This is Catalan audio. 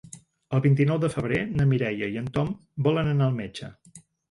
El vint-i-nou de febrer na Mireia i en Tom volen anar al metge.